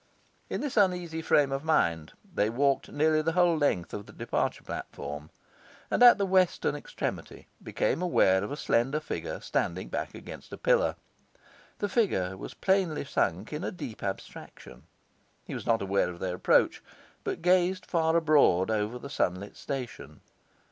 In this uneasy frame of mind they walked nearly the whole length of the departure platform, and at the western extremity became aware of a slender figure standing back against a pillar. The figure was plainly sunk into a deep abstraction; he was not aware of their approach, but gazed far abroad over the sunlit station.